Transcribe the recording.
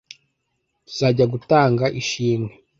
Tuzajya Gutanga Ishimwe